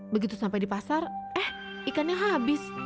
begitu sampai di pasar eh ikannya habis